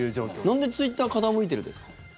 なんでツイッター傾いてるんですか？